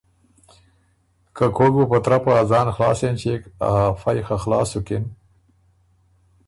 که کوک بُو په ترپه ا ځان خلاص اېنچيېک افئ خه خلاص سُکِن